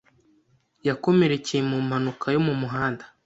yakomerekeye mu mpanuka yo mu muhanda.